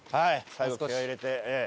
最後気合を入れて。